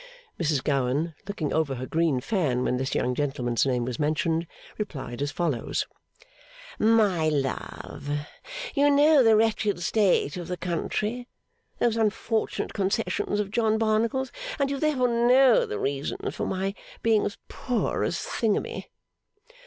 Mrs Gowan, looking over her green fan when this young gentleman's name was mentioned, replied as follows: 'My love, you know the wretched state of the country those unfortunate concessions of John Barnacle's! and you therefore know the reasons for my being as poor as Thingummy.